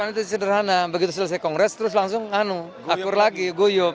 itu sederhana begitu selesai kongres terus langsung akur lagi guyup